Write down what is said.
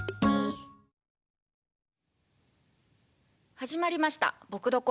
始まりました「ぼくドコ」。